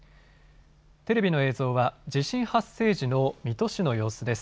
テレビの映像は地震発生時の水戸市の様子です。